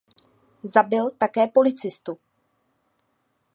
Zabil také policistu.